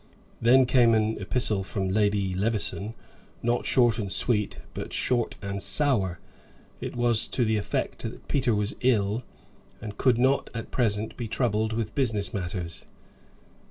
Then came an epistle from Lady Levison; not short and sweet, but short and sour. It was to the effect that Sir Peter was ill, and could not at present be troubled with business matters."